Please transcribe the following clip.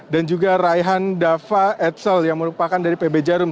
dan juga raihan dava edsel yang merupakan dari pb jarum